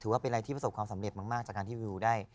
ว่าเป็นอะไรที่ประสบความสำเร็จมากจากการที่วิวได้